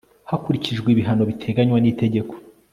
hakurikijwe ibihano biteganywa n;itegeko